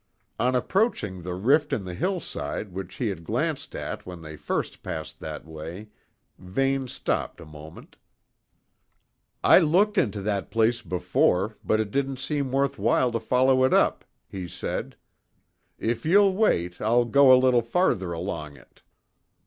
On approaching the rift in the hillside which he had glanced at when they first passed that way, Vane stopped a moment. "I looked into that place before, but it didn't seem worth while to follow it up," he said. "If you'll wait, I'll go a little farther along it."